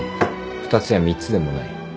２つや３つでもない。